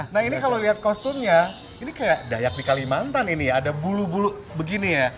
nah ini kalau lihat kostumnya ini kayak dayak di kalimantan ini ya ada bulu bulu begini ya